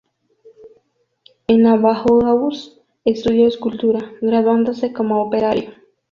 En la Bauhaus estudió escultura, graduándose como operario.